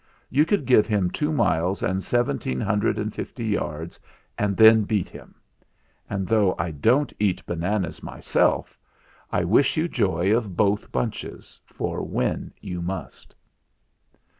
You could give him two miles and seventeen hun dred and fifty yards and then beat him; and, though I don't eat bananas myself, I wish 146 THE FLINT HEART you joy of both bunches, for win you must.'